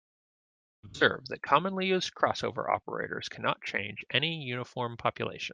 Observe that commonly used crossover operators cannot change any uniform population.